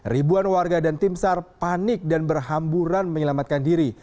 ribuan warga dan timsar panik dan berhamburan menyelamatkan diri